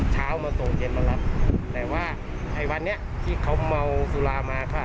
เช้ามาส่งเย็นมารับแต่ว่าไอ้วันนี้ที่เขาเมาสุรามาค่ะ